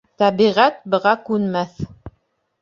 Тәбиғәт быға күнмәҫ.